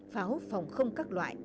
pháo phòng không các loại